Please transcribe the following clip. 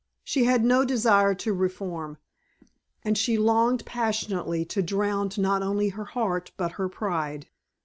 She had no desire to reform! And she longed passionately to drown not only her heart but her pride.